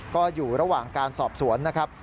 ก็อยู่ระหว่างการสอบสวนนะครับ